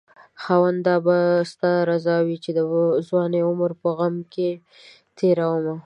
خاونده دا به ستا رضاوي چې دځوانۍ عمر په غم کې تيرومه